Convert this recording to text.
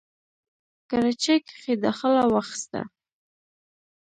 کراچۍ کښې داخله واخسته،